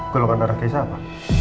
keluarkan darah keisha apa